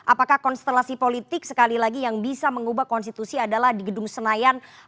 apakah konstelasi politik sekali lagi yang bisa mengubah konstitusi adalah di gedung senayan